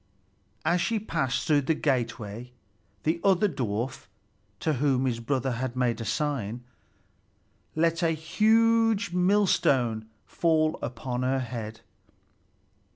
As she passed through the gateway, the other dwarf, to whom his brother had made a sign, let a huge millstone fall upon her head.